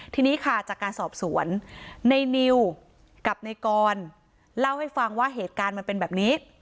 ทีนี้ค่ะจากการสอบสวนในนิวกับในกรเล่าให้ฟังว่าเหตุการณ์มันเป็นแบบนี้